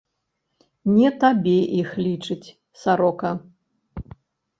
Не табе іх лічыць, сарока!